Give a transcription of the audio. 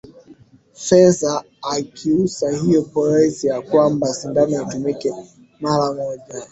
fesa mwakiusa hiyo policy ya kwamba sindano itumike mara moja